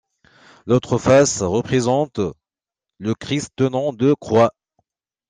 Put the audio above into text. L'autre face représente le Christ tenant deux croix.